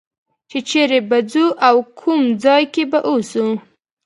چې چېرې به ځو او کوم ځای کې به اوسو.